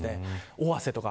尾鷲とか。